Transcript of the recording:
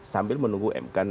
sambil menunggu mk